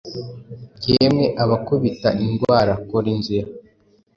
Yemwe abakubita indwara, kora inzira.